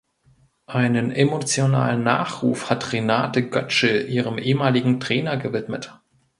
Einen emotionalen Nachruf hat Renate Götschl ihrem ehemaligen Trainer gewidmet.